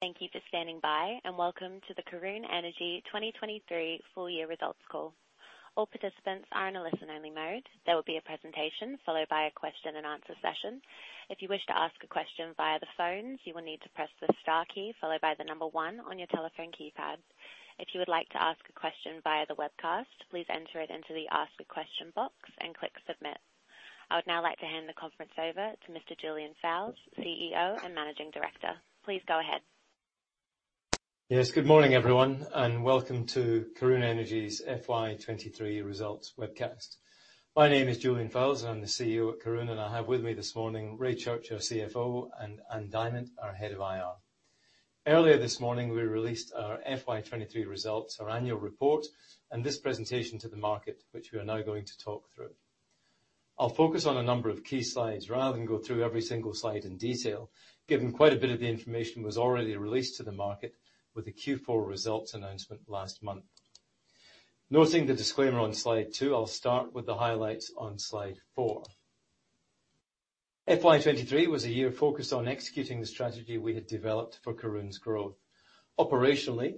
Thank you for standing by, and welcome to the Karoon Energy 2023 full year results call. All participants are in a listen-only mode. There will be a presentation, followed by a question and answer session. If you wish to ask a question via the phones, you will need to press the star key followed by the number one on your telephone keypad. If you would like to ask a question via the webcast, please enter it into the Ask a Question box and click Submit. I would now like to hand the conference over to Mr. Julian Fowles, CEO and Managing Director. Please go ahead. Good morning, everyone, and welcome to Karoon Energy's FY 2023 results webcast. My name is Julian Fowles, I'm the CEO at Karoon, and I have with me this morning Ray Church, our CFO, and Ann Diamant, our Head of IR. Earlier this morning, we released our FY 2023 results, our annual report, and this presentation to the market, which we are now going to talk through. I'll focus on a number of key slides rather than go through every single slide in detail, given quite a bit of the information was already released to the market with the Q4 results announcement last month. Noting the disclaimer on slide 2, I'll start with the highlights on slide four. FY 2023 was a year focused on executing the strategy we had developed for Karoon's growth. Operationally,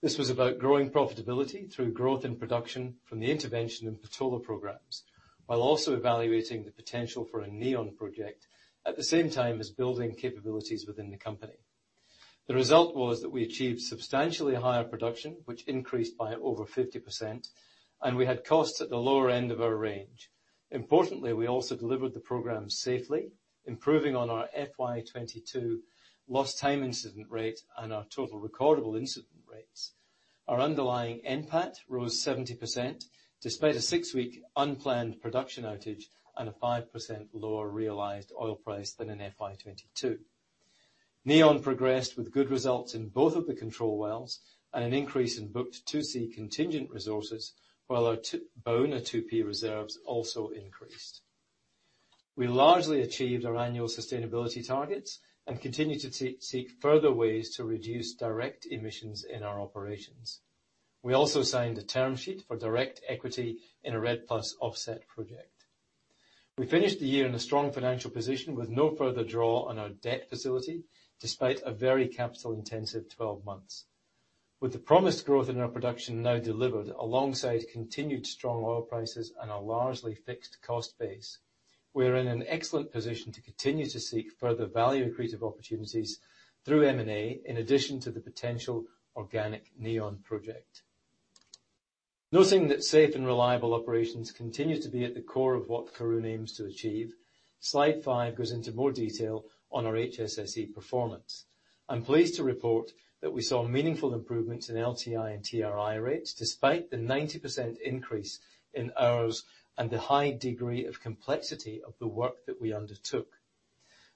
this was about growing profitability through growth in production from the intervention and Patola programs, while also evaluating the potential for a Neon project, at the same time as building capabilities within the company. The result was that we achieved substantially higher production, which increased by over 50%, and we had costs at the lower end of our range. Importantly, we also delivered the program safely, improving on our FY 2022 lost time incident rate and our total recordable incident rates. Our underlying NPAT rose 70%, despite a six week unplanned production outage and a 5% lower realized oil price than in FY 2022. Neon progressed with good results in both of the control wells and an increase in booked 2C contingent resources, while our Baúna 2P reserves also increased. We largely achieved our annual sustainability targets and continue to seek further ways to reduce direct emissions in our operations. We also signed a term sheet for direct equity in a REDD+ offset project. We finished the year in a strong financial position with no further draw on our debt facility, despite a very capital-intensive 12 months. With the promised growth in our production now delivered, alongside continued strong oil prices and a largely fixed cost base, we are in an excellent position to continue to seek further value accretive opportunities through M&A, in addition to the potential organic Neon project. Noting that safe and reliable operations continue to be at the core of what Karoon aims to achieve, slide 5 goes into more detail on our HSSE performance. I'm pleased to report that we saw meaningful improvements in LTI and TRI rates, despite the 90% increase in hours and the high degree of complexity of the work that we undertook.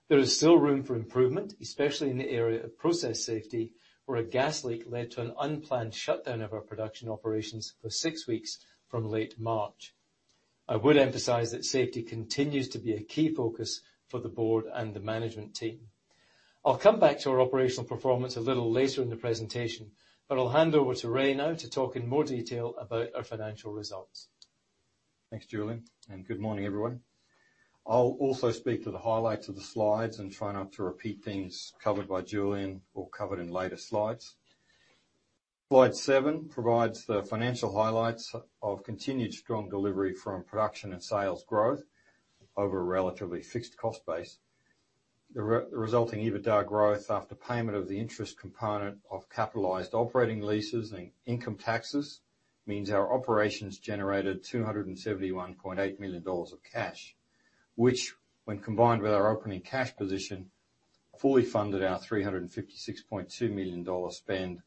There is still room for improvement, especially in the area of process safety, where a gas leak led to an unplanned shutdown of our production operations for six weeks from late March. I would emphasize that safety continues to be a key focus for the board and the management team. I'll come back to our operational performance a little later in the presentation, but I'll hand over to Ray now to talk in more detail about our financial results. Thanks, Julian. Good morning, everyone. I'll also speak to the highlights of the slides and try not to repeat things covered by Julian or covered in later slides. Slide 7 provides the financial highlights of continued strong delivery from production and sales growth over a relatively fixed cost base. The resulting EBITDA growth after payment of the interest component of capitalized operating leases and income taxes, means our operations generated $271.8 million of cash, which, when combined with our opening cash position, fully funded our $356.2 million spend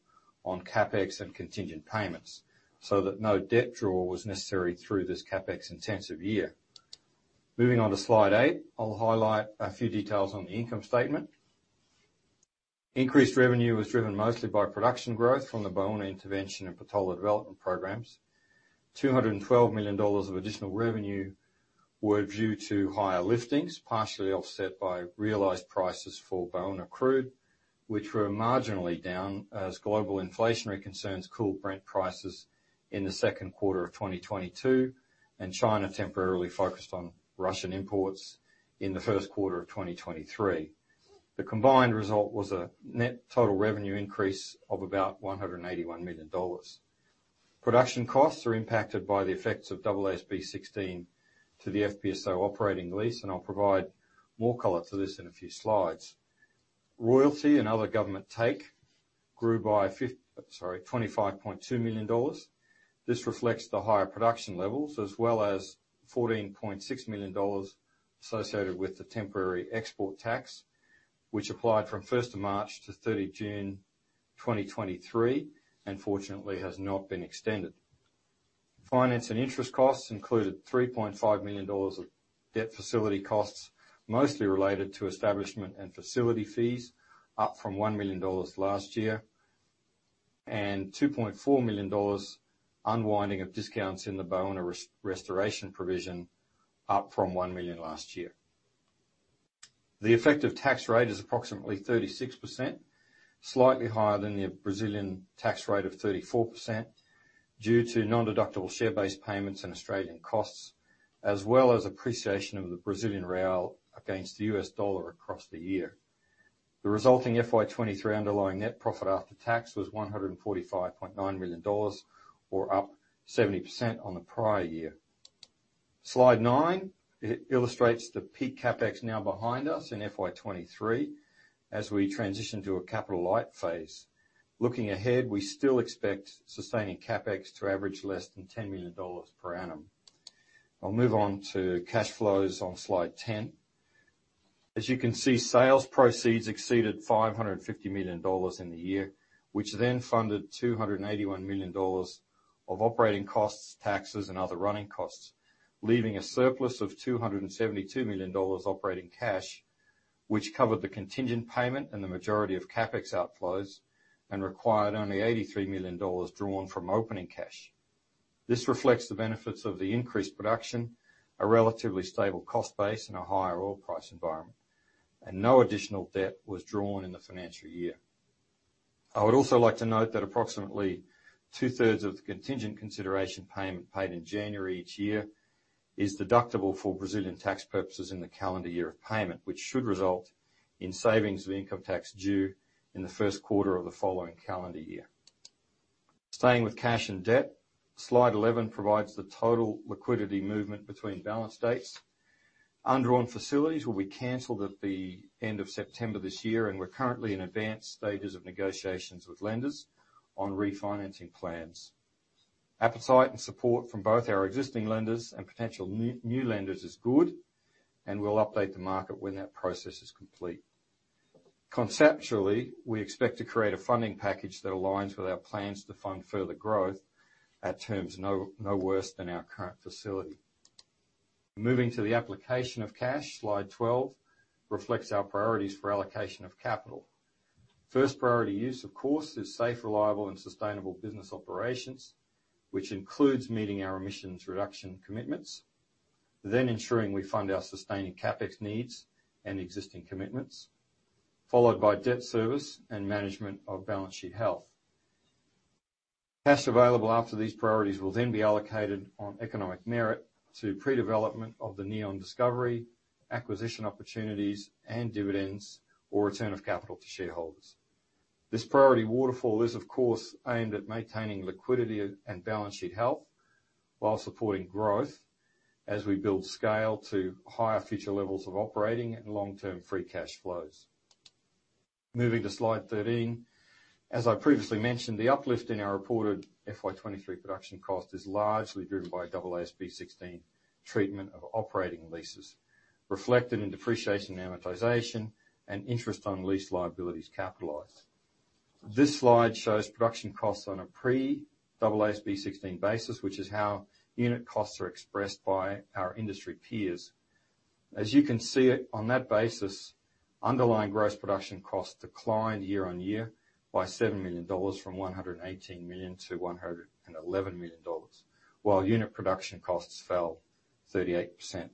on CapEx and contingent payments, so that no debt draw was necessary through this CapEx-intensive year. Moving on to slide 8, I'll highlight a few details on the income statement. Increased revenue was driven mostly by production growth from the Baúna intervention and Patola development programs. $212 million of additional revenue were due to higher liftings, partially offset by realized prices for Baúna crude, which were marginally down as global inflationary concerns cooled Brent prices in 2Q 2022. China temporarily focused on Russian imports in 1Q 2023. The combined result was a net total revenue increase of about $181 million. Production costs are impacted by the effects of AASB 16 to the FPSO operating lease. I'll provide more color to this in a few slides. Royalty and other government take grew by $25.2 million. This reflects the higher production levels, as well as $14.6 million associated with the temporary export tax, which applied from 1st of March to 30 June 2023. Fortunately has not been extended. Finance and interest costs included $3.5 million of debt facility costs, mostly related to establishment and facility fees, up from $1 million last year, and $2.4 million unwinding of discounts in the Baúna restoration provision, up from $1 million last year. The effective tax rate is approximately 36%, slightly higher than the Brazilian tax rate of 34% due to non-deductible share-based payments and Australian costs, as well as appreciation of the Brazilian real against the US dollar across the year. The resulting FY 2023 underlying net profit after tax was $145.9 million, or up 70% on the prior year. Slide 9, it illustrates the peak CapEx now behind us in FY 2023, as we transition to a capital light phase. Looking ahead, we still expect sustaining CapEx to average less than $10 million per annum. I'll move on to cash flows on slide 10. As you can see, sales proceeds exceeded $550 million in the year, which then funded $281 million of operating costs, taxes, and other running costs, leaving a surplus of $272 million operating cash, which covered the contingent payment and the majority of CapEx outflows, and required only $83 million drawn from opening cash. This reflects the benefits of the increased production, a relatively stable cost base, and a higher oil price environment, and no additional debt was drawn in the financial year. I would also like to note that approximately 2/3 of the contingent consideration payment paid in January each year is deductible for Brazilian tax purposes in the calendar year of payment, which should result in savings of income tax due in the first quarter of the following calendar year. Staying with cash and debt, slide 11 provides the total liquidity movement between balance dates. Undrawn facilities will be canceled at the end of September this year, we're currently in advanced stages of negotiations with lenders on refinancing plans. Appetite and support from both our existing lenders and potential new lenders is good, and we'll update the market when that process is complete. Conceptually, we expect to create a funding package that aligns with our plans to fund further growth at terms no worse than our current facility. Moving to the application of cash, slide 12 reflects our priorities for allocation of capital. First priority use, of course, is safe, reliable and sustainable business operations, which includes meeting our emissions reduction commitments. Ensuring we fund our sustaining CapEx needs and existing commitments, followed by debt service and management of balance sheet health. Cash available after these priorities will be allocated on economic merit to predevelopment of the Neon discovery, acquisition opportunities, and dividends, or return of capital to shareholders. This priority waterfall is, of course, aimed at maintaining liquidity and balance sheet health, while supporting growth as we build scale to higher future levels of operating and long-term free cash flows. Moving to slide 13. As I previously mentioned, the uplift in our reported FY 2023 production cost is largely driven by AASB 16 treatment of operating leases, reflected in depreciation, amortization, and interest on lease liabilities capitalized. This slide shows production costs on a pre-AASB 16 basis, which is how unit costs are expressed by our industry peers. As you can see, on that basis, underlying gross production costs declined year-over-year by 7 million dollars, from 118 million to 111 million dollars, while unit production costs fell 38%.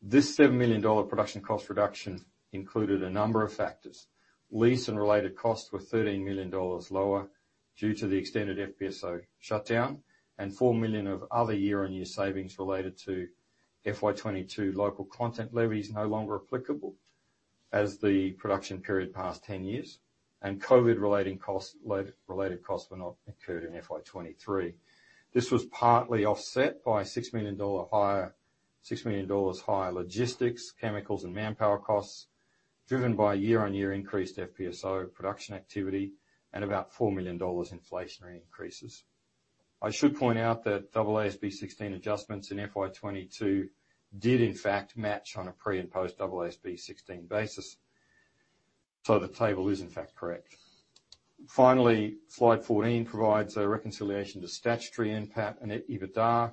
This 7 million dollar production cost reduction included a number of factors. Lease and related costs were $13 million lower due to the extended FPSO shutdown, and $4 million of other year-on-year savings related to FY 2022 local content levies no longer applicable, as the production period past 10 years, and COVID relating costs, load-related costs were not incurred in FY 2023. This was partly offset by $6 million higher, $6 million higher logistics, chemicals, and manpower costs, driven by year-on-year increased FPSO production activity, and about $4 million inflationary increases. I should point out that AASB 16 adjustments in FY 2022 did, in fact, match on a pre- and post-AASB 16 basis, so the table is, in fact, correct. Finally, slide 14 provides a reconciliation to statutory NPAT and EBITDA.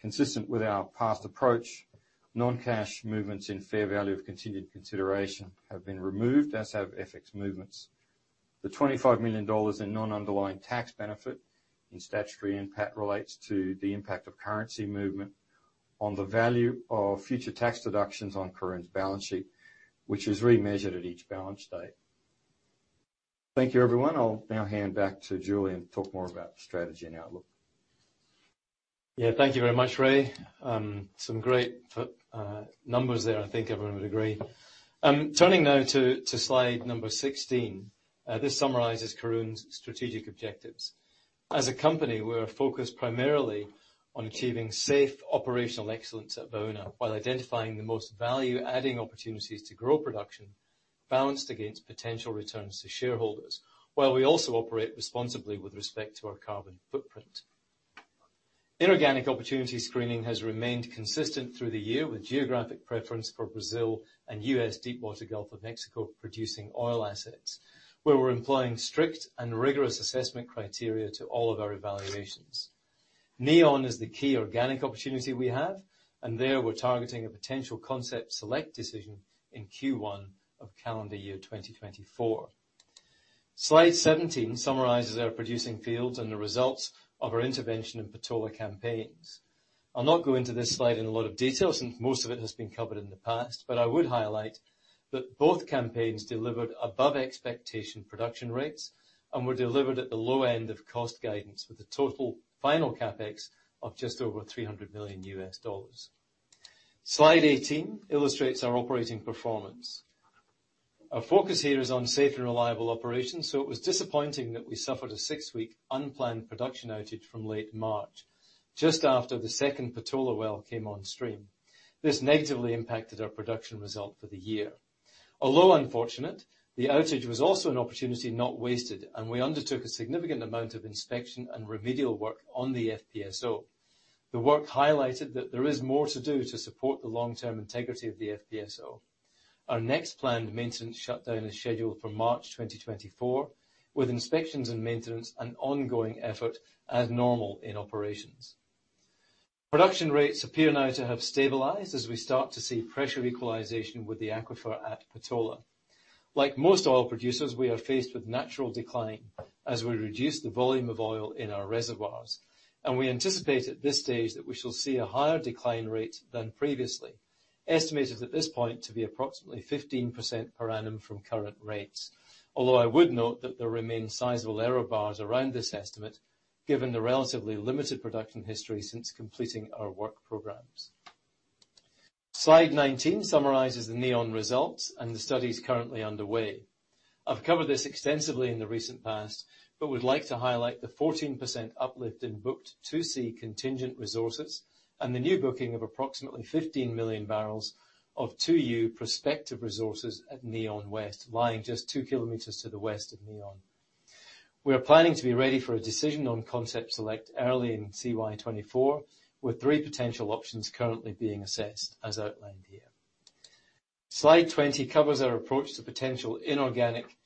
Consistent with our past approach, non-cash movements in fair value of continued consideration have been removed, as have FX movements. The $25 million in non-underlying tax benefit in statutory NPAT relates to the impact of currency movement on the value of future tax deductions on current balance sheet, which is remeasured at each balance date. Thank you, everyone. I'll now hand back to Julian, and talk more about the strategy and outlook. Yeah, thank you very much, Ray. Some great numbers there, I think everyone would agree. Turning now to, to slide 16. This summarizes Karoon's strategic objectives. As a company, we are focused primarily on achieving safe operational excellence at Baúna, while identifying the most value-adding opportunities to grow production, balanced against potential returns to shareholders, while we also operate responsibly with respect to our carbon footprint. Inorganic opportunity screening has remained consistent through the year, with geographic preference for Brazil and U.S. deepwater Gulf of Mexico, producing oil assets, where we're employing strict and rigorous assessment criteria to all of our evaluations. Neon is the key organic opportunity we have, and there we're targeting a potential concept select decision in Q1 of calendar year 2024. Slide 17 summarizes our producing fields and the results of our intervention in Patola campaigns.... I'll not go into this slide in a lot of detail, since most of it has been covered in the past, but I would highlight that both campaigns delivered above expectation production rates and were delivered at the low end of cost guidance, with a total final CapEx of just over $300 million. Slide 18 illustrates our operating performance. Our focus here is on safe and reliable operations, so it was disappointing that we suffered a six-week unplanned production outage from late March, just after the second Patola well came on stream. This negatively impacted our production result for the year. Although unfortunate, the outage was also an opportunity not wasted, and we undertook a significant amount of inspection and remedial work on the FPSO. The work highlighted that there is more to do to support the long-term integrity of the FPSO. Our next planned maintenance shutdown is scheduled for March 2024, with inspections and maintenance an ongoing effort as normal in operations. Production rates appear now to have stabilized as we start to see pressure equalization with the aquifer at Patola. Like most oil producers, we are faced with natural decline as we reduce the volume of oil in our reservoirs, and we anticipate, at this stage, that we shall see a higher decline rate than previously, estimated at this point to be approximately 15% per annum from current rates. Although I would note that there remain sizable error bars around this estimate, given the relatively limited production history since completing our work programs. Slide 19 summarizes the Neon results and the studies currently underway. I've covered this extensively in the recent past, but would like to highlight the 14% uplift in booked 2C contingent resources and the new booking of approximately 15 million barrels of 2U prospective resources at Neon West, lying just two kilometers to the west of Neon. We are planning to be ready for a decision on concept select early in CY '24, with three potential options currently being assessed, as outlined here. Slide 20 covers our approach to potential inorganic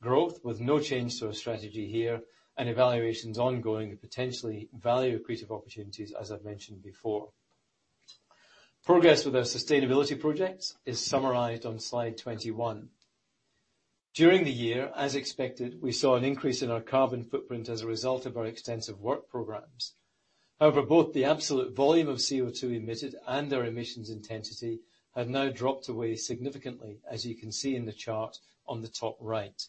growth, with no change to our strategy here, and evaluations ongoing and potentially value-accretive opportunities, as I've mentioned before. Progress with our sustainability projects is summarized on slide 21. During the year, as expected, we saw an increase in our carbon footprint as a result of our extensive work programs. However, both the absolute volume of CO2 emitted and our emissions intensity have now dropped away significantly, as you can see in the chart on the top right.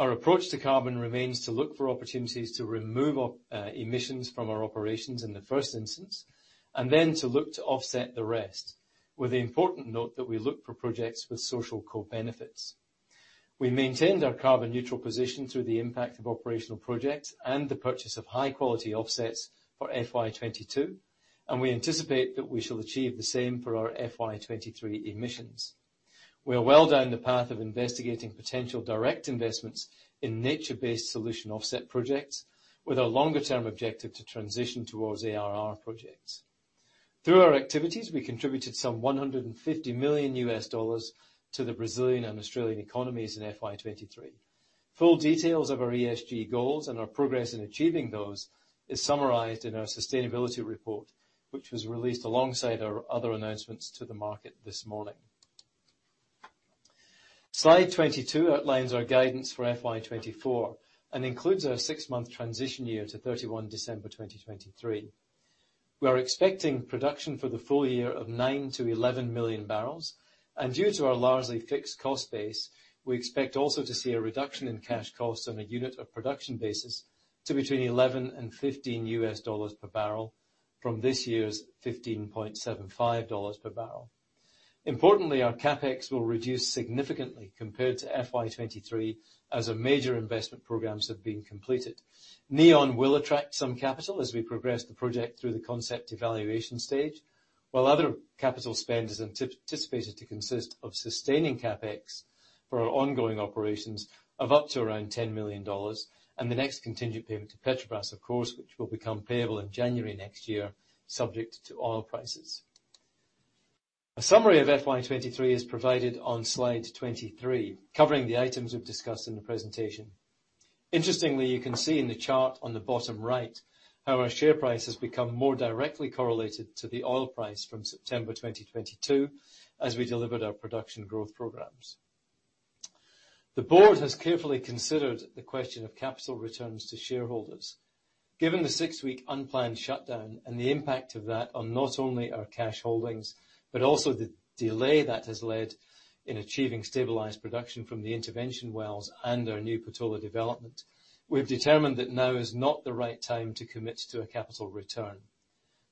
Our approach to carbon remains to look for opportunities to remove emissions from our operations in the first instance, and then to look to offset the rest, with the important note that we look for projects with social co-benefits. We maintained our carbon-neutral position through the impact of operational projects and the purchase of high-quality offsets for FY 2022, and we anticipate that we shall achieve the same for our FY 2023 emissions. We are well down the path of investigating potential direct investments in nature-based solution offset projects, with our longer-term objective to transition towards ARR projects. Through our activities, we contributed some $150 million to the Brazilian and Australian economies in FY 2023. Full details of our ESG goals and our progress in achieving those is summarized in our sustainability report, which was released alongside our other announcements to the market this morning. Slide 22 outlines our guidance for FY 2024 and includes our six month transition year to 31st December 2023. We are expecting production for the full year of $9 million-$11 million barrels, and due to our largely fixed cost base, we expect also to see a reduction in cash costs on a unit of production basis to between $11 and $15 per barrel from this year's $15.75 per barrel. Importantly, our CapEx will reduce significantly compared to FY 2023, as our major investment programs have been completed. Neon will attract some capital as we progress the project through the concept evaluation stage, while other capital spend is anticipated to consist of sustaining CapEx for our ongoing operations of up to around $10 million, and the next contingent payment to Petrobras, of course, which will become payable in January next year, subject to oil prices. A summary of FY 2023 is provided on slide 23, covering the items we've discussed in the presentation. Interestingly, you can see in the chart on the bottom right, how our share price has become more directly correlated to the oil price from September 2022, as we delivered our production growth programs. The board has carefully considered the question of capital returns to shareholders. Given the 6-week unplanned shutdown and the impact of that on not only our cash holdings, but also the delay that has led in achieving stabilized production from the intervention wells and our new Patola development, we've determined that now is not the right time to commit to a capital return.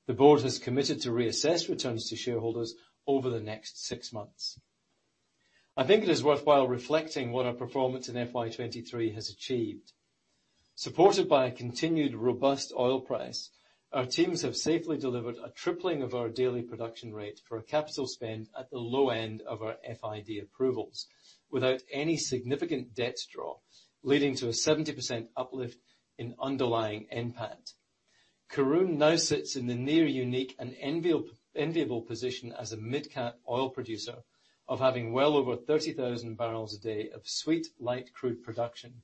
The board has committed to reassess returns to shareholders over the next 6 months. I think it is worthwhile reflecting what our performance in FY 2023 has achieved. Supported by a continued robust oil price, our teams have safely delivered a tripling of our daily production rate for a capital spend at the low end of our FID approvals, without any significant debt draw, leading to a 70% uplift in underlying NPAT. Karoon now sits in the near unique and enviable position as a mid-cap oil producer of having well over 30,000 barrels a day of sweet light crude production,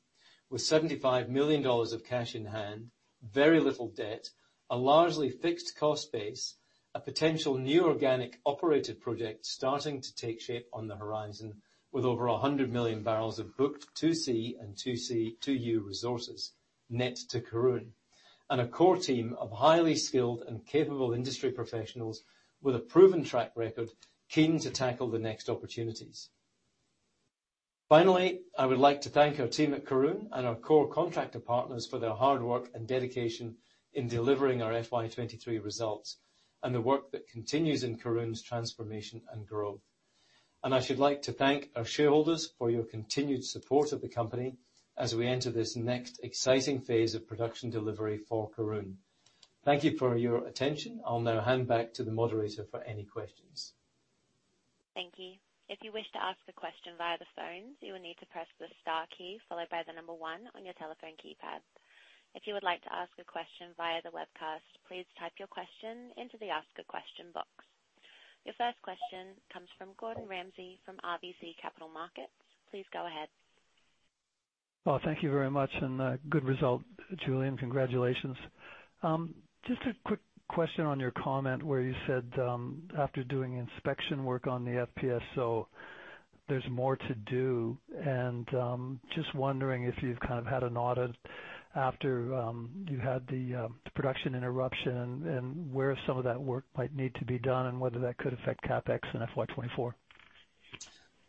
with $75 million of cash in hand, very little debt, a largely fixed cost base, a potential new organic operated project starting to take shape on the horizon, with over 100 million barrels of booked 2C and 2C, 2U resources, net to Karoon, and a core team of highly skilled and capable industry professionals with a proven track record, keen to tackle the next opportunities. Finally, I would like to thank our team at Karoon and our core contractor partners for their hard work and dedication in delivering our FY 2023 results, and the work that continues in Karoon's transformation and growth. I should like to thank our shareholders for your continued support of the company as we enter this next exciting phase of production delivery for Karoon. Thank you for your attention. I'll now hand back to the moderator for any questions. Thank you. If you wish to ask a question via the phones, you will need to press the star key, followed by the number one on your telephone keypad. If you would like to ask a question via the webcast, please type your question into the Ask a Question box. Your first question comes from Gordon Ramsay, from RBC Capital Markets. Please go ahead. Well, thank you very much, and good result, Julian. Congratulations. Just a quick question on your comment where you said, after doing inspection work on the FPSO, there's more to do, and just wondering if you've kind of had an audit after you had the production interruption, and where some of that work might need to be done, and whether that could affect CapEx in FY 2024.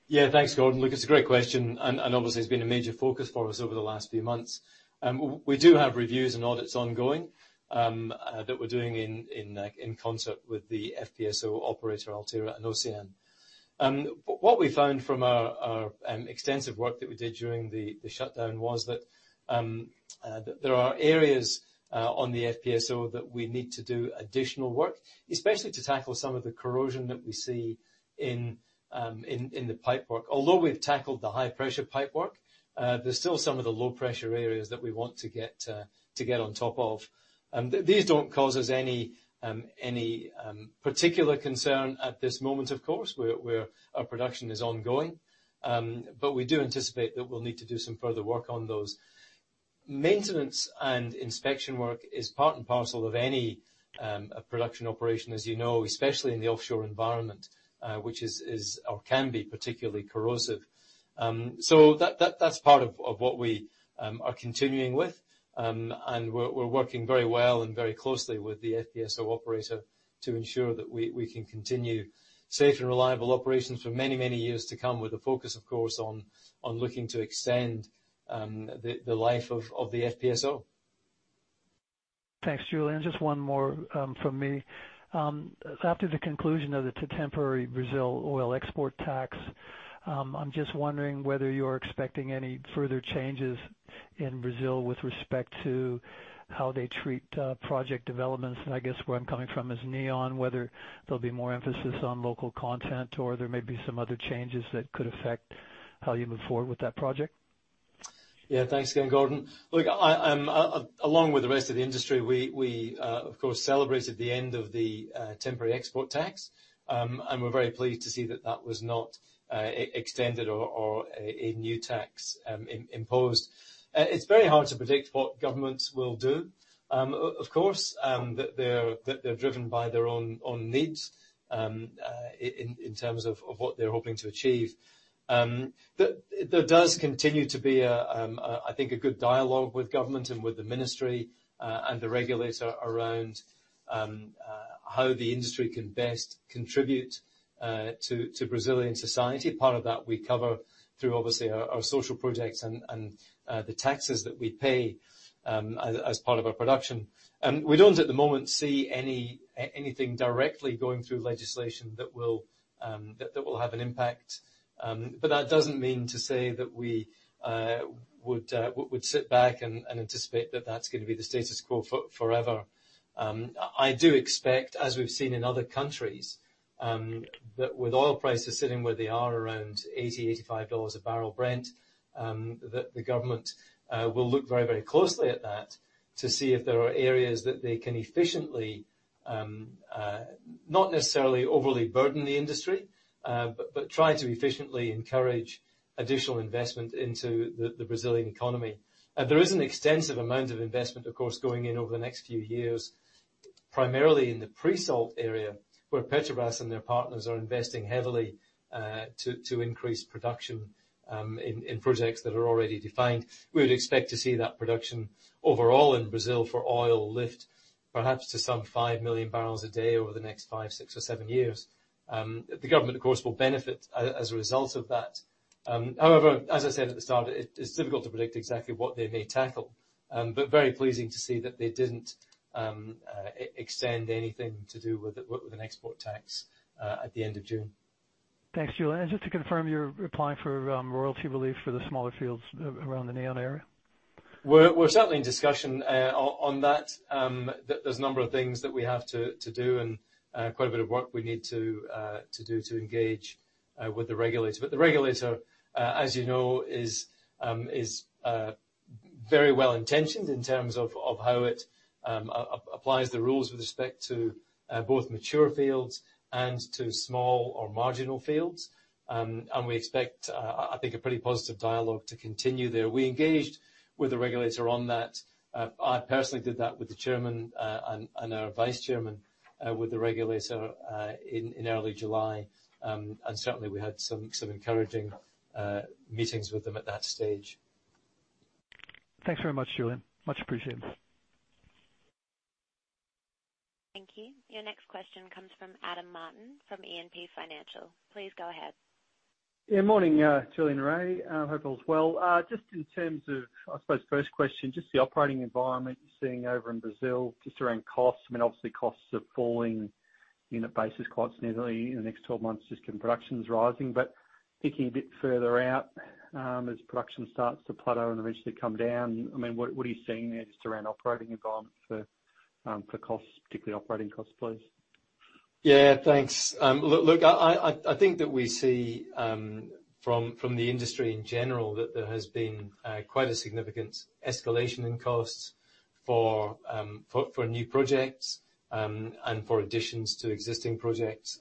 Yeah, thanks, Gordon. Look, it's a great question. Obviously, it's been a major focus for us over the last few months. We do have reviews and audits ongoing that we're doing in concert with the FPSO operator, Altera & Ocyan. What we found from our extensive work that we did during the shutdown was that there are areas on the FPSO that we need to do additional work, especially to tackle some of the corrosion that we see in the pipework. Although we've tackled the high-pressure pipework, there's still some of the low-pressure areas that we want to get to get on top of. These don't cause us any particular concern at this moment, of course, where our production is ongoing. We do anticipate that we'll need to do some further work on those. Maintenance and inspection work is part and parcel of any production operation, as you know, especially in the offshore environment, which is, or can be particularly corrosive. That's part of what we are continuing with. We're working very well and very closely with the FPSO operator to ensure that we can continue safe and reliable operations for many years to come, with a focus, of course, on looking to extend the life of the FPSO. Thanks, Julian. Just one more from me. After the conclusion of the temporary Brazil oil export tax, I'm just wondering whether you're expecting any further changes in Brazil with respect to how they treat project developments. I guess where I'm coming from is Neon, whether there'll be more emphasis on local content, or there may be some other changes that could affect how you move forward with that project. Yeah. Thanks again, Gordon. Look, I, along with the rest of the industry, we, we, of course, celebrated the end of the temporary export tax. We're very pleased to see that that was not extended or a new tax imposed. It's very hard to predict what governments will do. Of course, they're driven by their own, own needs, in terms of what they're hoping to achieve. There, there does continue to be a, I think, a good dialogue with government and with the ministry and the regulator around how the industry can best contribute to Brazilian society. Part of that we cover through, obviously, our, our social projects and, and the taxes that we pay as, as part of our production. We don't, at the moment, see any, anything directly going through legislation that will, that, that will have an impact. That doesn't mean to say that we would, would sit back and, and anticipate that that's gonna be the status quo for-forever. I do expect, as we've seen in other countries, that with oil prices sitting where they are around $80-$85 a barrel, Brent, that the government will look very, very closely at that, to see if there are areas that they can efficiently, not necessarily overly burden the industry, but try to efficiently encourage additional investment into the, the Brazilian economy. There is an extensive amount of investment, of course, going in over the next few years, primarily in the pre-salt area, where Petrobras and their partners are investing heavily, to increase production, in projects that are already defined. We would expect to see that production overall in Brazil for oil lift, perhaps to some 5 million barrels a day over the next five, six or seven years. The government, of course, will benefit as a result of that. However, as I said at the start, it's difficult to predict exactly what they may tackle. Very pleasing to see that they didn't extend anything to do with an export tax at the end of June. Thanks, Julian. Just to confirm, you're applying for royalty relief for the smaller fields around the Neon area? We're, we're certainly in discussion on that. There's a number of things that we have to do and quite a bit of work we need to do to engage with the regulator. The regulator, as you know, is very well-intentioned in terms of how it applies the rules with respect to both mature fields and to small or marginal fields. We expect, I think, a pretty positive dialogue to continue there. We engaged with the regulator on that. I personally did that with the chairman and our vice chairman with the regulator in early July. Certainly we had some, some encouraging meetings with them at that stage. Thanks very much, Julian. Much appreciated. Thank you. Your next question comes from Adam Martin, from E&P Financial. Please go ahead. Yeah, morning, Julian Rain. I hope all is well. Just in terms of, I suppose, first question, just the operating environment you're seeing over in Brazil, just around costs, I mean, obviously, costs are falling unit basis quite significantly in the next 12 months, just when production is rising. Thinking a bit further out, as production starts to plateau and eventually come down, I mean, what, what are you seeing there, just around operating environment for costs, particularly operating costs, please? Yeah, thanks. look, I think that we see from the industry in general, that there has been quite a significant escalation in costs for new projects and for additions to existing projects.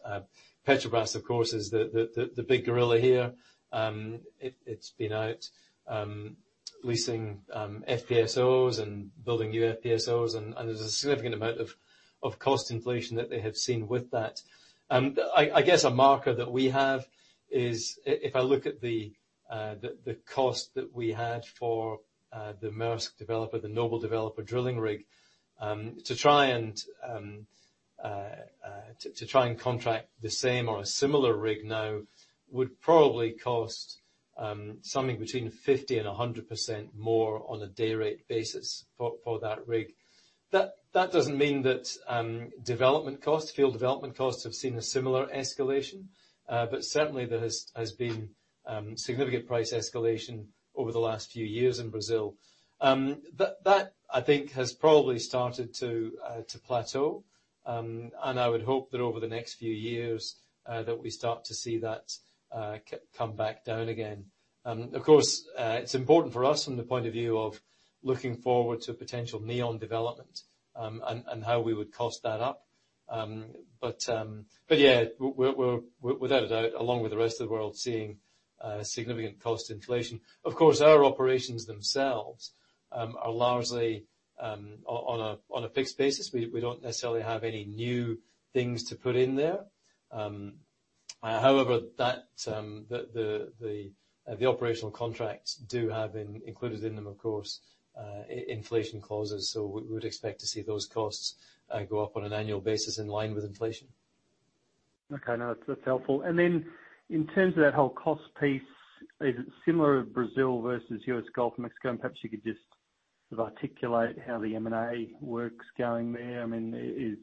Petrobras, of course, is the big gorilla here. It's been out leasing FPSOs and building new FPSOs, and there's a significant amount of cost inflation that they have seen with that. I, I guess a marker that we have is if I look at the, the cost that we had for the Maersk Developer, the Noble Developer drilling rig, to try and contract the same or a similar rig now, would probably cost something between 50% and 100% more on a day rate basis for that rig. That, that doesn't mean that development costs, field development costs, have seen a similar escalation. Certainly there has, has been significant price escalation over the last few years in Brazil. That, that I think has probably started to plateau. I would hope that over the next few years, that we start to see that come back down again. Of course, it's important for us from the point of view of looking forward to potential Neon development, and how we would cost that up. Yeah, we're without a doubt, along with the rest of the world, seeing a significant cost inflation. Of course, our operations themselves are largely on a fixed basis. We don't necessarily have any new things to put in there. However, that, the operational contracts do have been included in them, of course, inflation clauses, so we would expect to see those costs go up on an annual basis in line with inflation. Okay, no, that's helpful. Then in terms of that whole cost piece, is it similar to Brazil versus US, Gulf of Mexico? Perhaps you could just articulate how the M&A work's going there. I mean, is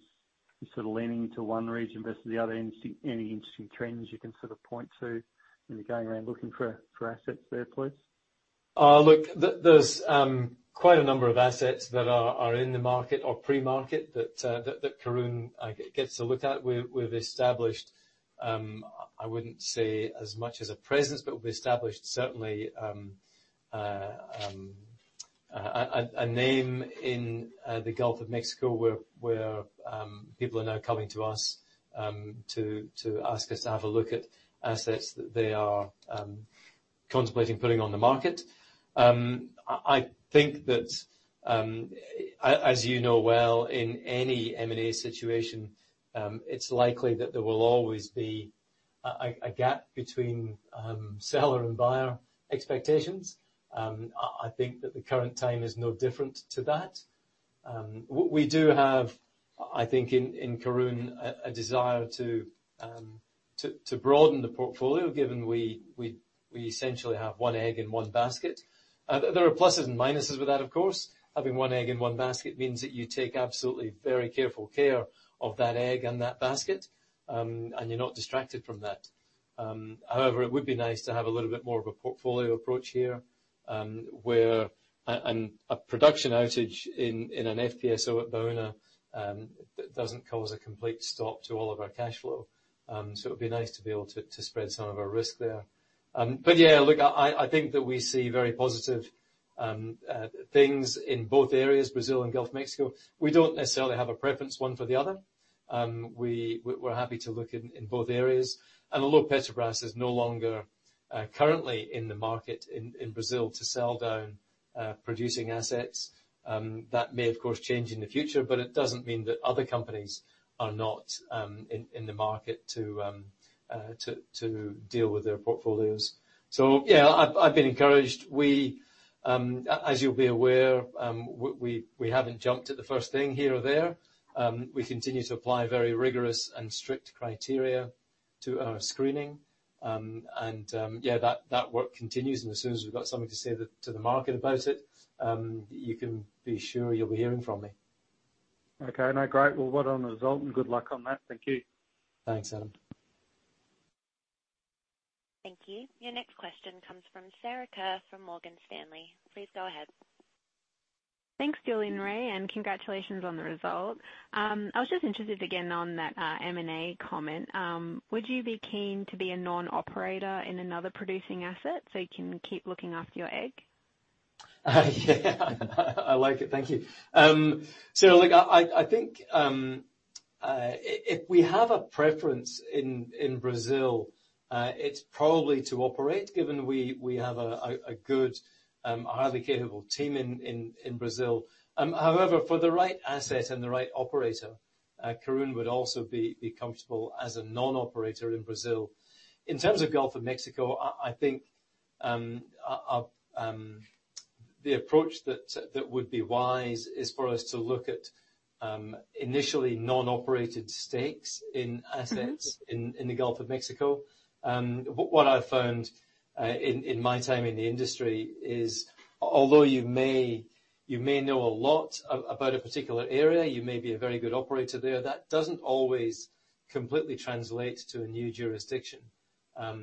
sort of leaning to one region versus the other? Any, any interesting trends you can sort of point to when you're going around looking for assets there, please? Look, there, there's quite a number of assets that are, are in the market or pre-market that, that Karoon gets to look at. We've, we've established, I wouldn't say as much as a presence, but we've established certainly a name in the Gulf of Mexico, where, where people are now coming to us to ask us to have a look at assets that they are contemplating putting on the market. I, I think that as you know well, in any M&A situation, it's likely that there will always be a gap between seller and buyer expectations. I, I think that the current time is no different to that. We do have, I think, in Karoon, a desire to broaden the portfolio, given we essentially have one egg in one basket. There are pluses and minuses with that, of course. Having one egg in one basket means that you take absolutely very careful care of that egg and that basket, and you're not distracted from that. However, it would be nice to have a little bit more of a portfolio approach here, where and a production outage in an FPSO at Baúna, doesn't cause a complete stop to all of our cash flow. It would be nice to be able to spread some of our risk there. Yeah, look, I think that we see very positive things in both areas, Brazil and Gulf of Mexico. We don't necessarily have a preference, one for the other. We're happy to look in, in both areas. Although Petrobras is no longer, currently in the market in, in Brazil to sell down, producing assets, that may, of course, change in the future, it doesn't mean that other companies are not, in, in the market to, to, to deal with their portfolios. Yeah, I've, I've been encouraged. We, as you'll be aware, we, we haven't jumped at the first thing here or there. We continue to apply very rigorous and strict criteria to our screening. Yeah, that, that work continues, and as soon as we've got something to say to the market about it, you can be sure you'll be hearing from me. Okay. No, great. Well, well done on the result, and good luck on that. Thank you. Thanks, Adam. Thank you. Your next question comes from Sarah Kerr from Morgan Stanley. Please go ahead. Thanks, Julian, Ray, and congratulations on the result. I was just interested again on that M&A comment. Would you be keen to be a non-operator in another producing asset so you can keep looking after your egg? Yeah, I like it. Thank you. Look, I, I, I think, if we have a preference in, in Brazil, it's probably to operate, given we, we have a, a, a good, highly capable team in, in, in Brazil. However, for the right asset and the right operator, Karoon would also be, be comfortable as a non-operator in Brazil. In terms of Gulf of Mexico, I, I think, the approach that, that would be wise is for us to look at, initially non-operated stakes in assets. Mm-hmm. -in, in the Gulf of Mexico. What, what I found in, in my time in the industry, is although you may, you may know a lot about a particular area, you may be a very good operator there, that doesn't always completely translate to a new jurisdiction. I,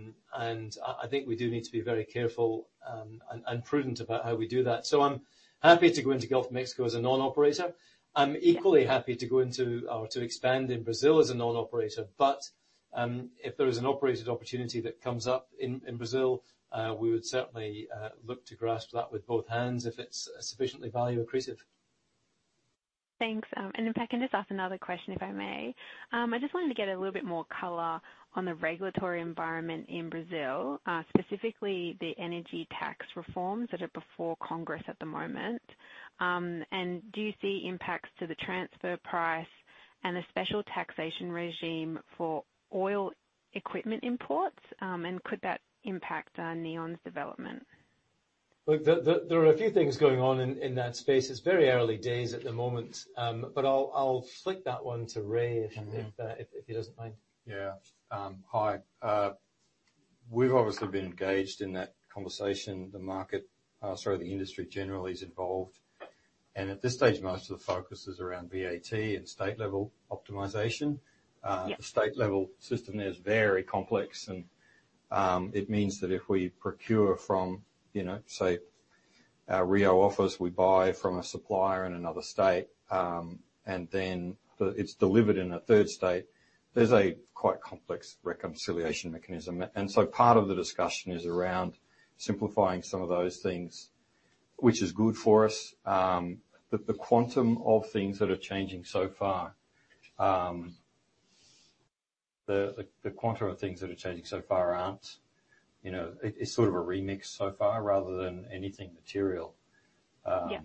I think we do need to be very careful, and, and prudent about how we do that. I'm happy to go into Gulf of Mexico as a non-operator. I'm equally happy to go into or to expand in Brazil as a non-operator, but, if there is an operated opportunity that comes up in, in Brazil, we would certainly look to grasp that with both hands, if it's sufficiently value accretive. Thanks. If I can just ask another question, if I may? I just wanted to get a little bit more color on the regulatory environment in Brazil, specifically the energy tax reforms that are before Congress at the moment. Do you see impacts to the transfer price and the special taxation regime for oil equipment imports, and could that impact Neon's development? Look, there, there, there are a few things going on in, in that space. It's very early days at the moment, but I'll, I'll flick that one to Ray. Mm-hmm. if, if, if he doesn't mind. Yeah. Hi. We've obviously been engaged in that conversation. The market, sorry, the industry generally is involved, and at this stage, most of the focus is around VAT and state level optimization. Yeah. The state level system is very complex, and it means that if we procure from, you know, say, our Rio office, we buy from a supplier in another state, and then it's delivered in a third state, there's a quite complex reconciliation mechanism. Part of the discussion is around simplifying some of those things, which is good for us. The quantum of things that are changing so far, the quantum of things that are changing so far aren't, you know, it's sort of a remix so far, rather than anything material. Yeah.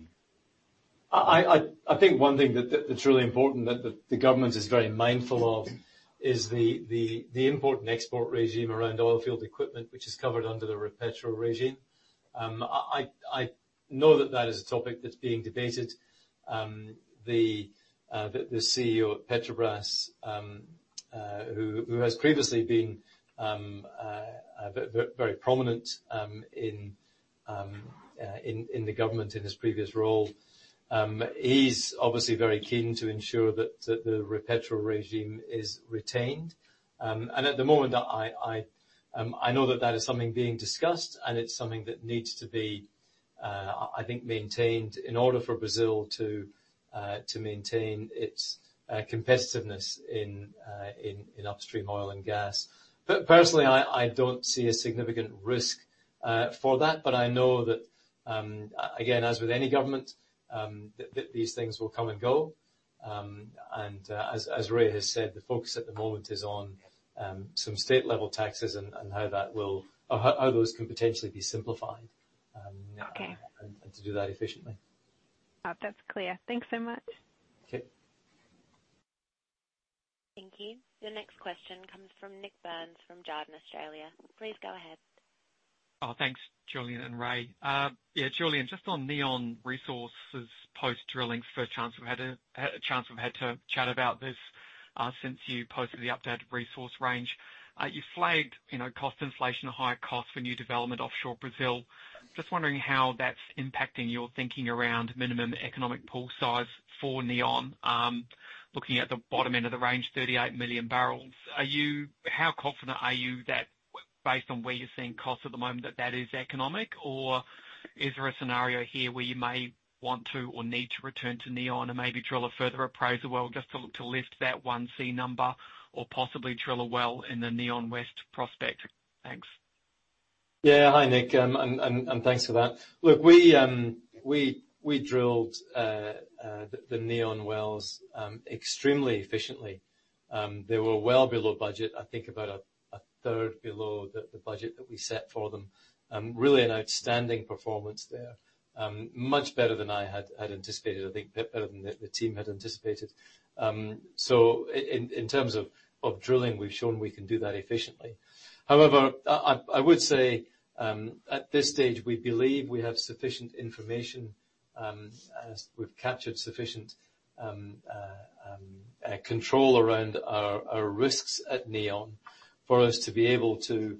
I, I, I think one thing that, that's really important, that the, the government is very mindful of is the, the, the import and export regime around oil field equipment, which is covered under the Repetro regime. I, know that that is a topic that's being debated. The, the, the CEO of Petrobras, who, who has previously been very prominent, in, in the government in his previous role, he's obviously very keen to ensure that the, the Repetro regime is retained. At the moment, I, I, I know that that is something being discussed, and it's something that needs to be, I think, maintained in order for Brazil to, to maintain its, competitiveness in, in, in upstream oil and gas. Personally, I, I don't see a significant risk for that, but I know that again, as with any government, that these things will come and go. As Ray has said, the focus at the moment is on some state level taxes and how that will, or how those can potentially be simplified. Okay. To do that efficiently. That's clear. Thanks so much. Okay. Thank you. The next question comes from Nik Burns from Jarden Australia. Please go ahead. Oh, thanks, Julian and Ray. Yeah, Julian, just on Neon resources, post drilling, first chance we've had a, had a chance we've had to chat about this since you posted the updated resource range. You flagged, you know, cost inflation and higher costs for new development offshore Brazil. Just wondering how that's impacting your thinking around minimum economic pool size for Neon? Looking at the bottom end of the range, 38 million barrels, are you how confident are you that, based on where you're seeing costs at the moment, that that is economic? Or is there a scenario here where you may want to or need to return to Neon and maybe drill a further appraisal well, just to look to lift that 1C number or possibly drill a well in the Neon West prospect? Thanks. Yeah. Hi, Nik, and thanks for that. Look, we drilled the Neon wells extremely efficiently. They were well below budget, I think about a third below the budget that we set for them. Really an outstanding performance there. Much better than I had anticipated. I think better than the team had anticipated. In terms of drilling, we've shown we can do that efficiently. However, I would say, at this stage, we believe we have sufficient information, as we've captured sufficient control around our risks at Neon, for us to be able to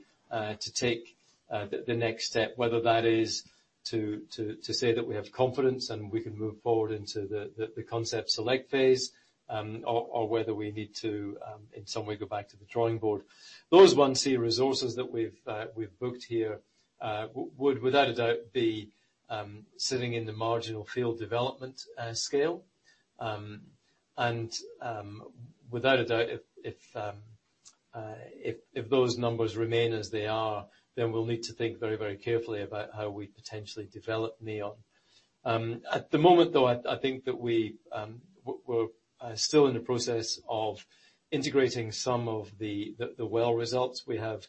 take the next step. Whether that is to say that we have confidence, and we can move forward into the concept select phase, or whether we need to in some way go back to the drawing board. Those 1C resources that we've booked here, would, without a doubt, be sitting in the marginal field development scale. Without a doubt, if those numbers remain as they are, then we'll need to think very, very carefully about how we potentially develop Neon. At the moment, though, I think that we, we're still in the process of integrating some of the well results. We have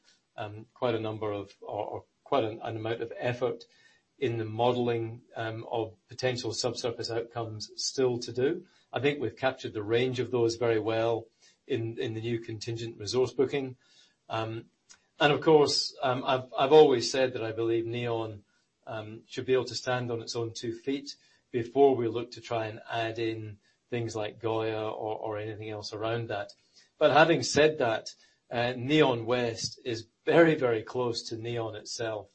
quite a number of, or quite an amount of effort in the modeling of potential subsurface outcomes still to do. I think we've captured the range of those very well in, in the new contingent resource booking. Of course, I've, I've always said that I believe Neon should be able to stand on its own two feet before we look to try and add in things like Goiá or, or anything else around that. Having said that, Neon West is very, very close to Neon itself.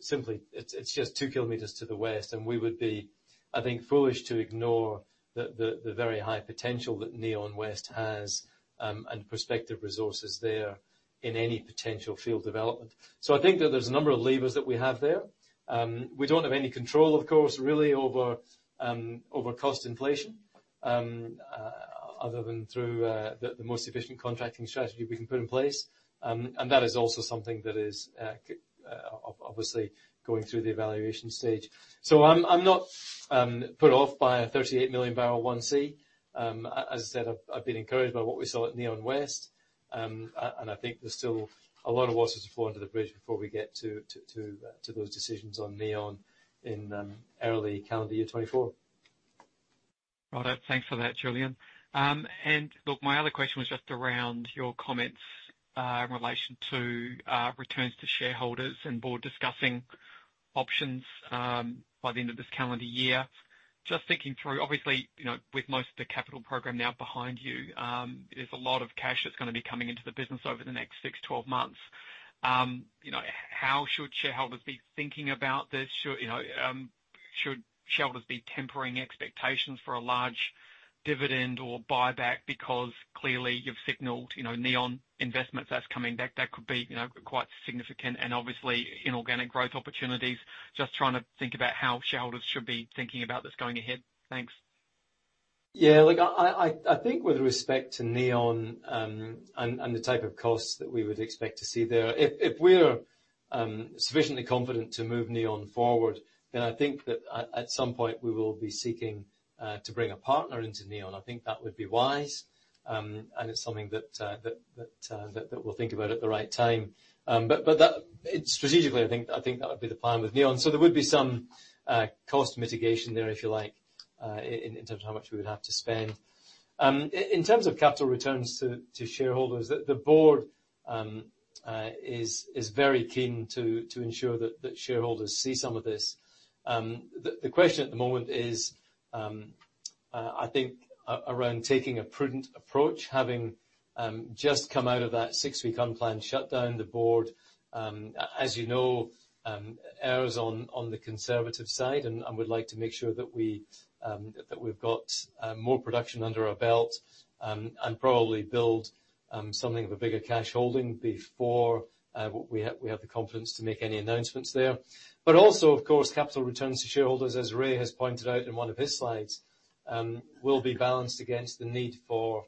Simply, it's, it's just two kilometers to the west, and we would be, I think, foolish to ignore the, the, the very high potential that Neon West has, and prospective resources there in any potential field development. I think that there's a number of levers that we have there. We don't have any control, of course, really, over over cost inflation, other than through the most efficient contracting strategy we can put in place. That is also something that is obviously going through the evaluation stage. I'm not put off by a 38 million barrel 1C. As I said, I've been encouraged by what we saw at Neon West. I think there's still a lot of waters to flow under the bridge before we get to those decisions on Neon in early calendar year 2024. Righto. Thanks for that, Julian. Look, my other question was just around your comments in relation to returns to shareholders and board discussing options by the end of this calendar year. Just thinking through, obviously, you know, with most of the capital program now behind you, there's a lot of cash that's gonna be coming into the business over the next six, 12 months. You know, how should shareholders be thinking about this? Should, you know, should shareholders be tempering expectations for a large dividend or buyback? Clearly, you've signaled, you know, Neon investments that's coming back, that could be, you know, quite significant and obviously, inorganic growth opportunities. Just trying to think about how shareholders should be thinking about this going ahead. Thanks. Yeah, look, I, I, I think with respect to Neon, and, and the type of costs that we would expect to see there, if, if we're sufficiently confident to move Neon forward, then I think that at, at some point, we will be seeking to bring a partner into Neon. I think that would be wise, and it's something that, that, that, that we'll think about at the right time. But that, strategically, I think, I think that would be the plan with Neon. There would be some cost mitigation there, if you like, in, in terms of how much we would have to spend. In terms of capital returns to, to shareholders, the, the board is, is very keen to, to ensure that, that shareholders see some of this. The question at the moment is, I think around taking a prudent approach. Having just come out of that six week unplanned shutdown, the board, as you know, errors on the conservative side, and we'd like to make sure that we've got more production under our belt and probably build something of a bigger cash holding before we have the confidence to make any announcements there. Also, of course, capital returns to shareholders, as Ray has pointed out in one of his slides, will be balanced against the need for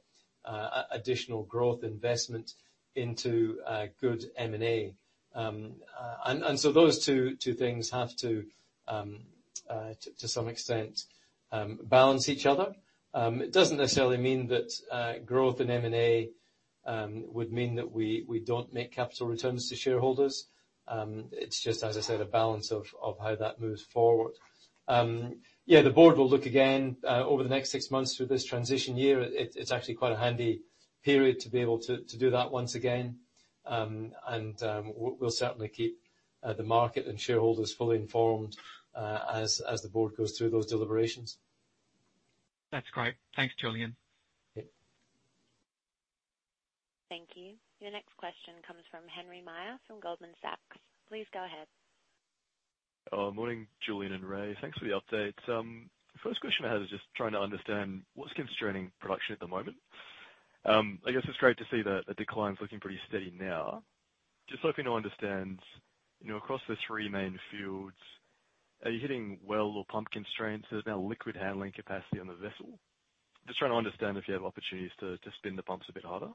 additional growth investment into good M&A. So those two things have to, to some extent, balance each other. It doesn't necessarily mean that growth in M&A would mean that we don't make capital returns to shareholders. It's just, as I said, a balance of how that moves forward. Yeah, the board will look again over the next six months through this transition year. It's actually quite a handy period to be able to do that once again. We'll certainly keep the market and shareholders fully informed as the board goes through those deliberations. That's great. Thanks, Julian. Yep. Thank you. Your next question comes from Henry Meyer from Goldman Sachs. Please go ahead. Morning, Julian and Ray. Thanks for the update. First question I have is just trying to understand what's constraining production at the moment. I guess it's great to see that the decline's looking pretty steady now. Just looking to understand, you know, across the three main fields, are you hitting well or pump constraints? There's now liquid handling capacity on the vessel. Just trying to understand if you have opportunities to, to spin the pumps a bit harder.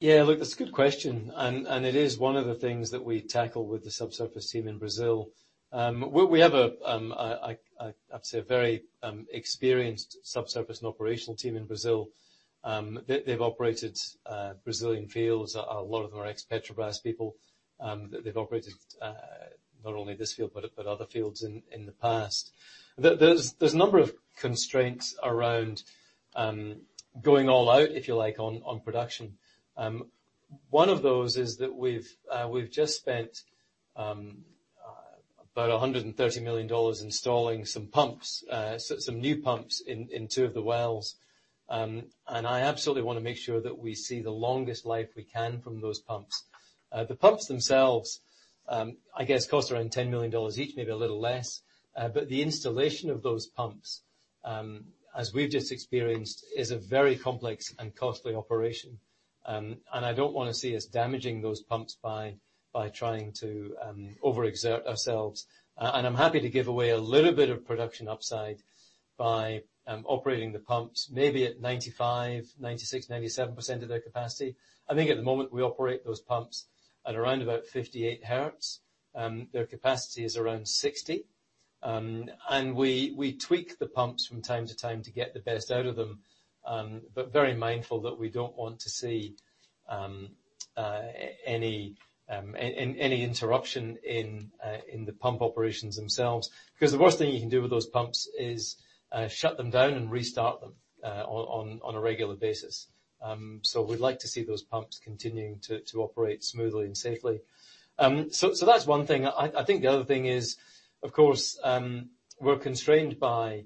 Yeah, look, that's a good question, and it is one of the things that we tackle with the subsurface team in Brazil. We, we have a, I'd, I'd say, a very experienced subsurface and operational team in Brazil. They've operated Brazilian fields. A lot of them are ex-Petrobras people. They've operated not only this field, but other fields in the past. There's a number of constraints around going all out, if you like, on production. One of those is that we've just spent about $130 million installing some pumps, so some new pumps in two of the wells. I absolutely want to make sure that we see the longest life we can from those pumps. The pumps themselves, I guess, cost around $10 million each, maybe a little less. But the installation of those pumps, as we've just experienced, is a very complex and costly operation. And I don't want to see us damaging those pumps by trying to overexert ourselves. And I'm happy to give away a little bit of production upside by operating the pumps maybe at 95%, 96%, 97% of their capacity. I think at the moment we operate those pumps at around about 58 hertz, their capacity is around 60. And we tweak the pumps from time to time to get the best out of them, but very mindful that we don't want to see any interruption in the pump operations themselves. The worst thing you can do with those pumps is shut them down and restart them on a regular basis. We'd like to see those pumps continuing to operate smoothly and safely. That's one thing. I think the other thing is, of course, we're constrained by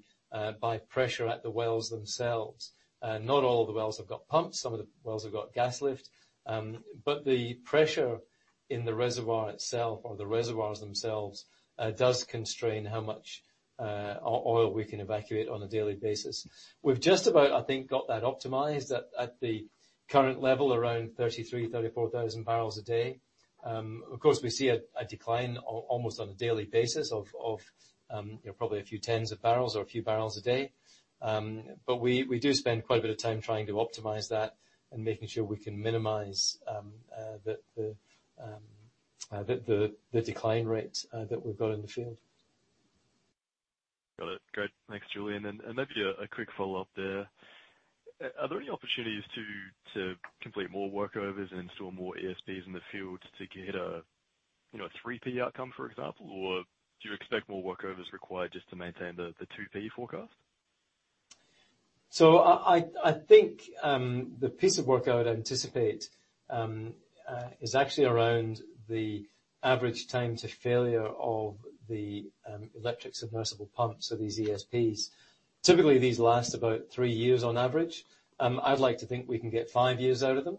pressure at the wells themselves. Not all of the wells have got pumps. Some of the wells have got gas lift. The pressure in the reservoir itself or the reservoirs themselves does constrain how much oil we can evacuate on a daily basis. We've just about, I think, got that optimized at the current level, around 33,000-34,000 barrels a day. Of course, we see a decline almost on a daily basis of, you know, probably a few tens of barrels or a few barrels a day. We do spend quite a bit of time trying to optimize that and making sure we can minimize the decline rate that we've got in the field. Got it. Great. Thanks, Julian. Maybe a quick follow-up there. Are there any opportunities to complete more workovers and install more ESPs in the field to get a, you know, a 3P outcome, for example? Do you expect more workovers required just to maintain the 2P forecast? I, I, I think, the piece of work I would anticipate, is actually around the average time to failure of the electric submersible pumps, so these ESPs. Typically, these last about three years on average. I'd like to think we can get five years out of them.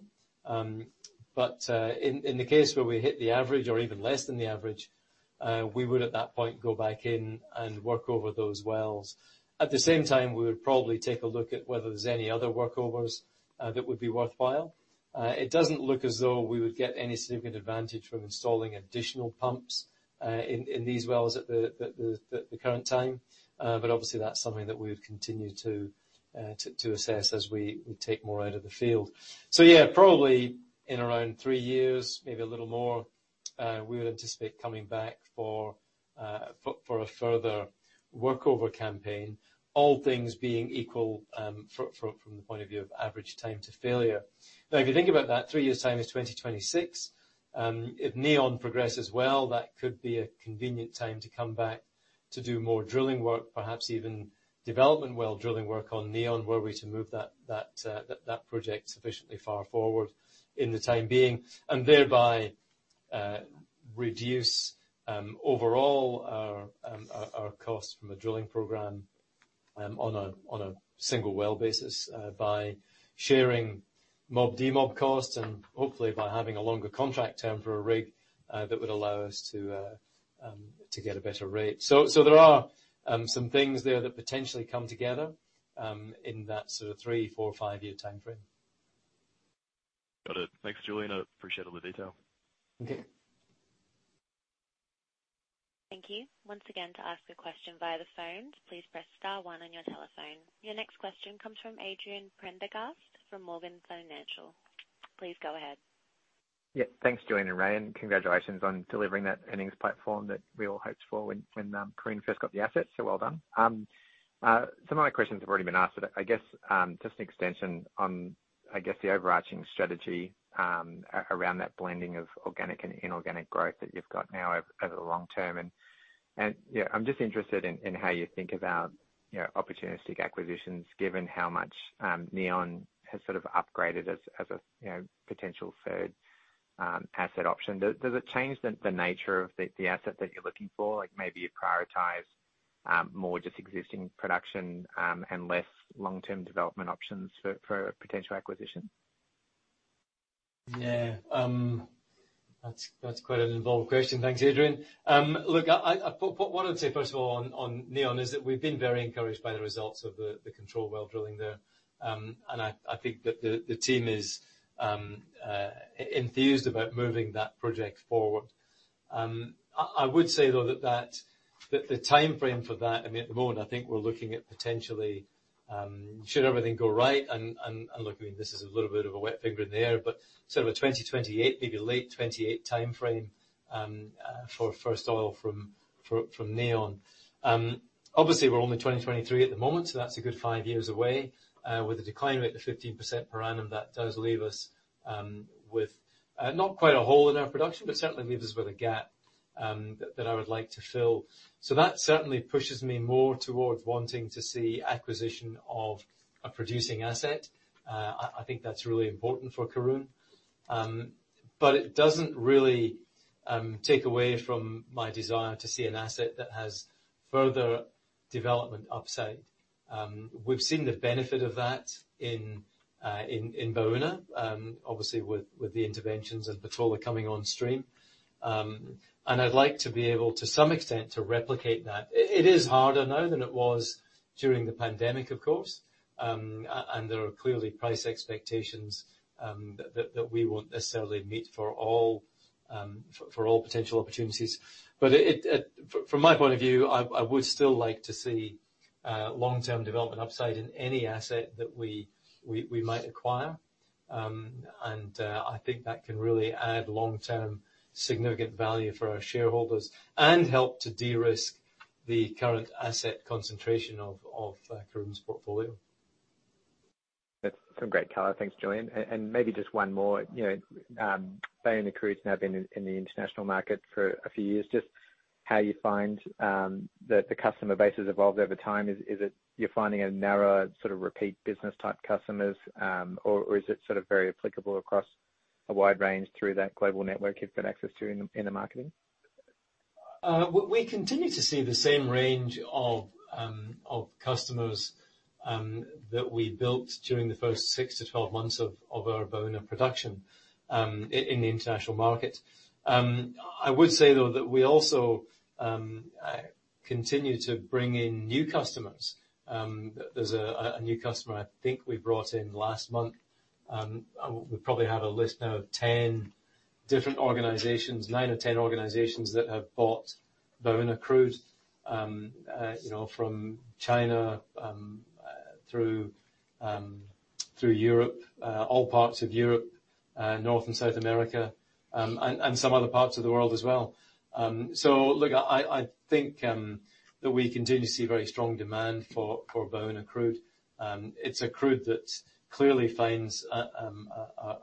In, in the case where we hit the average or even less than the average, we would, at that point, go back in and work over those wells. At the same time, we would probably take a look at whether there's any other workovers that would be worthwhile. It doesn't look as though we would get any significant advantage from installing additional pumps in, in these wells at the, the, the, the current time. Obviously, that's something that we would continue to assess as we take more out of the field. Yeah, probably in around three years, maybe a little more, we would anticipate coming back for a further workover campaign, all things being equal, from the point of view of average time to failure. If you think about that, three years' time is 2026. If Neon progresses well, that could be a convenient time to come back to do more drilling work, perhaps even development well drilling work on Neon, were we to move that project sufficiently far forward in the time being, and thereby reduce overall our costs from a drilling program on a single well basis, by sharing mob-demob costs and hopefully by having a longer contract term for a rig that would allow us to get a better rate. There are some things there that potentially come together in that sort of three, four, five-year time frame. Got it. Thanks, Julian. I appreciate all the detail. Okay. Thank you. Once again, to ask a question via the phone, please press star 1 on your telephone. Your next question comes from Adrian Prendergast, from Morgans Financial. Please go ahead. Yeah, thanks, Julian and Ray. Congratulations on delivering that earnings platform that we all hoped for when, when Karoon first got the asset, so well done. Some of my questions have already been asked, but I guess, just an extension on, I guess, the overarching strategy, around that blending of organic and inorganic growth that you've got now over, over the long term. Yeah, I'm just interested in, in how you think about, you know, opportunistic acquisitions, given how much Neon has sort of upgraded as, as a, you know, potential third asset option. Does it change the, the nature of the, the asset that you're looking for? Like maybe you prioritize, more just existing production, and less long-term development options for, for a potential acquisition? Yeah. That's, that's quite an involved question. Thanks, Adrian. Look, what I'd say, first of all, on, on Neon, is that we've been very encouraged by the results of the, the control well drilling there. I, I think that the, the team is enthused about moving that project forward. I, I would say, though, that, that, that the timeframe for that, I mean, at the moment, I think we're looking at potentially, should everything go right, and, and, and look, I mean, this is a little bit of a wet finger in the air, but sort of a 2028, maybe late 2028 timeframe, for first oil from, from, from Neon. Obviously, we're only in 2023 at the moment, so that's a good five years away. With a decline rate of 15% per annum, that does leave us with not quite a hole in our production, but certainly leaves us with a gap that I would like to fill. That certainly pushes me more towards wanting to see acquisition of a producing asset. I think that's really important for Karoon. It doesn't really take away from my desire to see an asset that has further development upside. We've seen the benefit of that in Baúna, obviously, with the interventions and Patola coming on stream. I'd like to be able, to some extent, to replicate that. It is harder now than it was during the pandemic, of course. There are clearly price expectations that, that, that we won't necessarily meet for all, for, for all potential opportunities. It, it, from, from my point of view, I, I would still like to see long-term development upside in any asset that we, we, we might acquire. I think that can really add long-term significant value for our shareholders and help to de-risk the current asset concentration of, of Karoon's portfolio. That's some great color. Thanks, Julian. Maybe just one more. You know, Baúna crude now been in, in the international market for a few years. Just how you find the, the customer base has evolved over time. Is, is it you're finding a narrower sort of repeat business type customers, or, or is it sort of very applicable across a wide range through that global network you've got access to in, in the marketing? We, we continue to see the same range of customers that we built during the first 6 to 12 months of our Baúna production in the international market. I would say, though, that we also continue to bring in new customers. There's a new customer I think we brought in last month. We probably have a list now of 10 different organizations, nine or 10 organizations that have bought Baúna crude, you know, from China, through Europe, all parts of Europe, North and South America, and some other parts of the world as well. So look, I, I think that we continue to see very strong demand for Baúna crude. It's a crude that clearly finds a,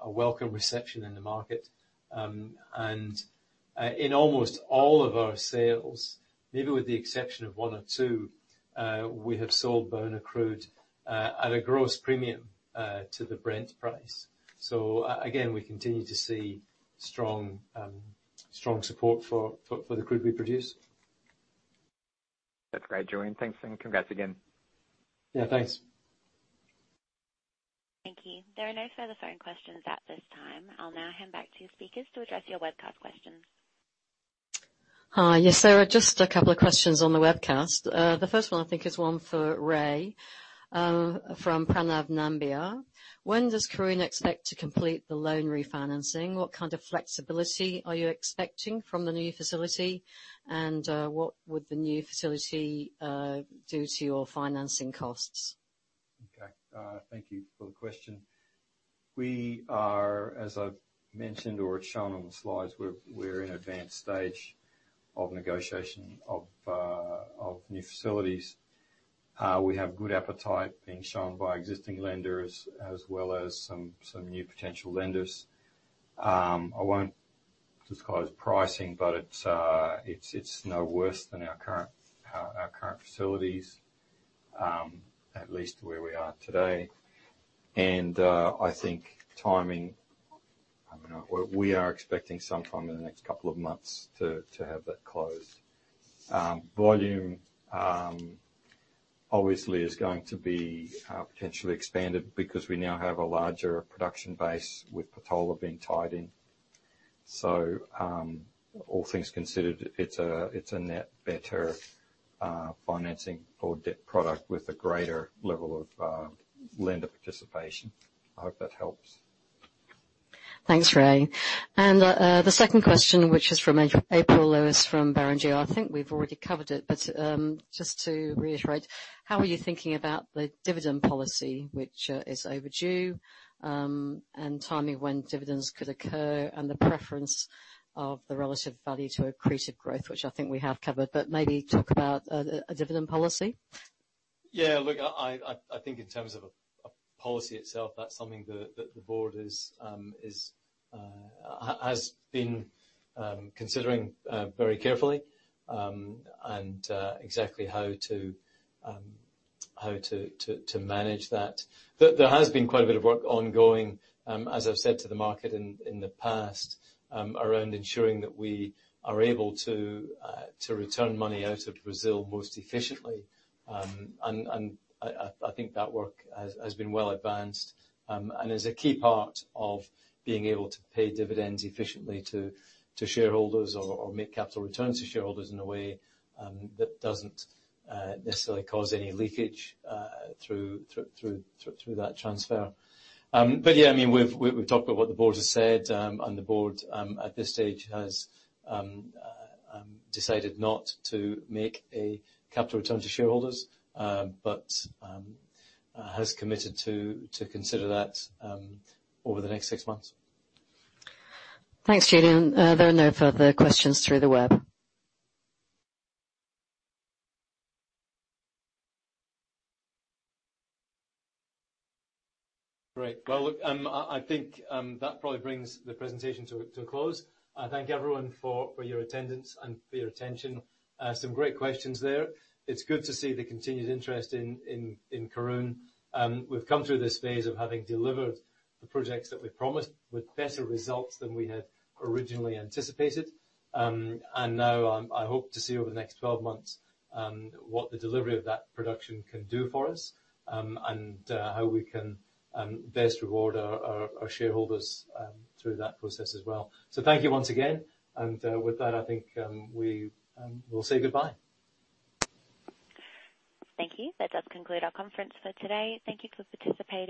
a welcome reception in the market. In almost all of our sales, maybe with the exception of one or two, we have sold Baúna crude, at a gross premium, to the Brent price. Again, we continue to see strong, strong support for, for, for the crude we produce. That's great, Julian. Thanks. Congrats again. Yeah, thanks. Thank you. There are no further phone questions at this time. I'll now hand back to you speakers to address your webcast questions. Hi. Yes, there are just a couple of questions on the webcast. The first one, I think, is one for Ray, from Pranav Nambiar: When does Karoon expect to complete the loan refinancing? What kind of flexibility are you expecting from the new facility? What would the new facility do to your financing costs? Okay, thank you for the question. We are, as I've mentioned or shown on the slides, we're, we're in advanced stage of negotiation of new facilities. We have good appetite being shown by existing lenders, as well as some, some new potential lenders. I won't disclose pricing, but it's, it's, it's no worse than our current, our current facilities, at least where we are today. I think timing, I mean, we, we are expecting sometime in the next couple of months to, to have that closed. Volume, obviously, is going to be potentially expanded because we now have a larger production base with Patola being tied in. All things considered, it's a, it's a net better financing or debt product with a greater level of lender participation. I hope that helps. Thanks, Ray. The second question, which is from April Lewis from Barrenjoey, I think we've already covered it, but just to reiterate, how are you thinking about the dividend policy, which is overdue, and timing when dividends could occur, and the preference of the relative value to accretive growth, which I think we have covered, but maybe talk about a, a dividend policy? Yeah, look, I, I, I think in terms of a, a policy itself, that's something that, that the board is, has been considering very carefully, and exactly how to how to to to manage that. There, there has been quite a bit of work ongoing, as I've said to the market in, in the past, around ensuring that we are able to to return money out of Brazil most efficiently. I, I, I think that work has, has been well advanced, and is a key part of being able to pay dividends efficiently to, to shareholders or, or make capital returns to shareholders in a way that doesn't necessarily cause any leakage through, through, through, through that transfer. Yeah, I mean, we've, we, we've talked about what the board has said, and the board at this stage has decided not to make a capital return to shareholders, but has committed to, to consider that over the next 6 months. Thanks, Julian. There are no further questions through the web. Great. Well, look, I think that probably brings the presentation to a close. I thank everyone for your attendance and for your attention. Some great questions there. It's good to see the continued interest in Karoon. We've come through this phase of having delivered the projects that we promised with better results than we had originally anticipated. Now, I hope to see over the next 12 months what the delivery of that production can do for us and how we can best reward our shareholders through that process as well. Thank you once again. With that, I think we will say goodbye. Thank you. That does conclude our conference for today. Thank you for participating.